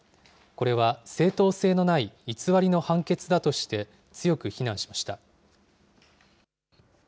これは正当性のない偽りの判決だとして、強く非難しました。